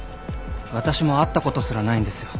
私も会ったことすらないんですよ。